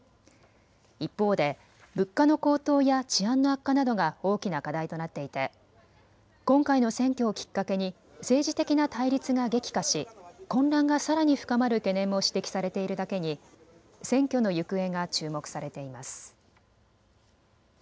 一方で物価の高騰や治安の悪化などが大きな課題となっていて今回の選挙をきっかけに政治的な対立が激化し混乱がさらに深まる懸念も指摘されているだけに選挙の行方が注目されています。